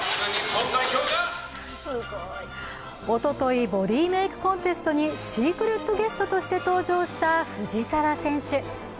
おととい、ボディメイクコンテストにシークレットゲストとして登場した藤澤選手。